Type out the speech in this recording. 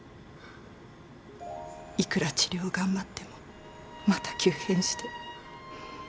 いくら治療を頑張ってもまた急変して。